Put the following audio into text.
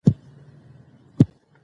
د مور ارام ساه اخيستل فشار کموي.